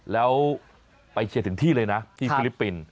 แล้วไปเชียร์ถึงที่เลยนะที่ฟิลิปปินส์